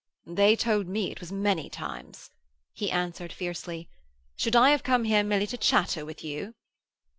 'They told me it was many times,' he answered fiercely. 'Should I have come here merely to chatter with you?'